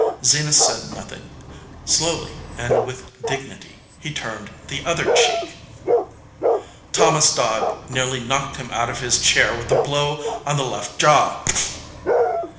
Zenas said nothing. Slowly and with dignity he turned the other cheek. Thomas Dodd nearly knocked him out of his chair with a blow on the left jaw.